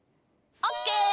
オッケー！